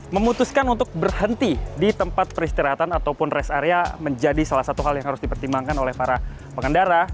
memutuskan untuk berhenti di tempat peristirahatan ataupun rest area menjadi salah satu hal yang harus dipertimbangkan oleh para pengendara